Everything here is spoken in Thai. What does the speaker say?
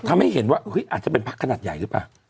ทำให้เห็นว่าอาจจะเป็นพักขนาดใหญ่หรือเปล่า